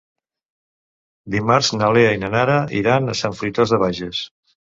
Dimarts na Lea i na Nara iran a Sant Fruitós de Bages.